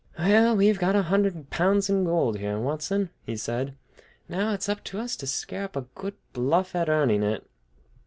"Well, we've got a hundred pounds in gold here, Watson," he said. "Now it's up to us to scare up a good bluff at earning it!